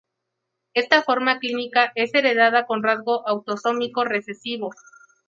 Esta forma clínica es heredada con rasgo autosómico recesivo.